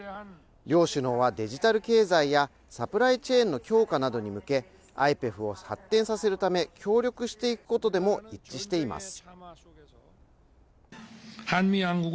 両首脳はデジタル経済やサプライチェーンの強化などに向け、ＩＰＥＦを発展させるため協力していくことでも一致しています。